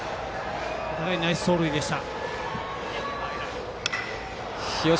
お互い、ナイス走塁でした。